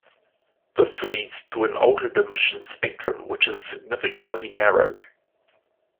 This leads to an altered emission spectrum, which is significantly narrowed.